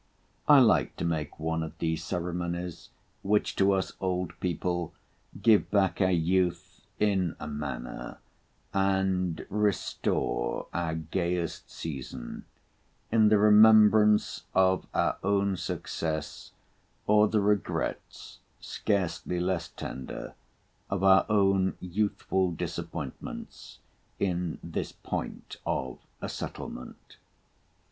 I like to make one at these ceremonies, which to us old people give back our youth in a manner, and restore our gayest season, in the remembrance of our own success, or the regrets, scarcely less tender, of our own youthful disappointments, in this point of a settlement.